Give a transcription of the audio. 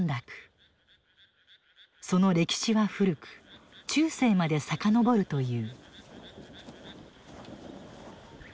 その歴史は古く中世まで遡るという。